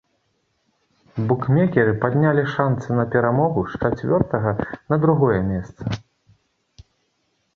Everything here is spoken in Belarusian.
Букмекеры паднялі шанцы на перамогу з чацвёртага на другое месца.